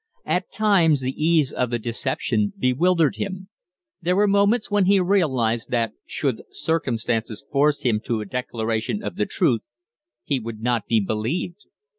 At times the ease of the deception bewildered him; there were moments when he realized that, should circumstances force him to a declaration of the truth, he would not be believed.